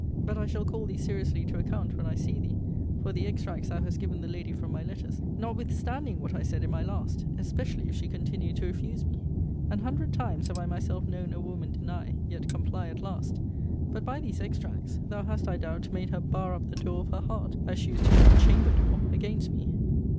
But I shall call thee seriously to account, when I see thee, for the extracts thou hast given the lady from my letters, notwithstanding what I said in my last; especially if she continue to refuse me. An hundred times have I myself known a woman deny, yet comply at last: but, by these extracts, thou hast, I doubt, made her bar up the door of her heart, as she used to do her chamber door, against me.